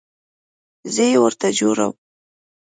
زه یې ورته جوړوم